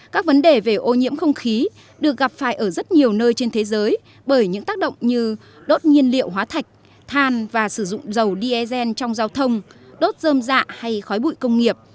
các vấn đề về ô nhiễm không khí được gặp phải ở rất nhiều nơi trên thế giới bởi những tác động như đốt nhiên liệu hóa thạch than và sử dụng dầu diesel trong giao thông đốt dơm dạ hay khói bụi công nghiệp